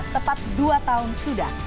tepat dua tahun sudah